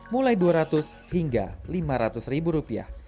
mulai dua ratus hingga lima ratus ribu rupiah